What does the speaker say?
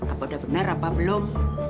apa udah bener apa belum